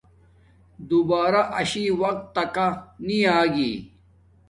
دوبارہ آشی وقت تکا نی آگی